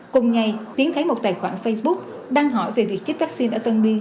cùng ngày tiến thấy một tài khoản facebook đăng hỏi về việc chích vaccine ở tân bi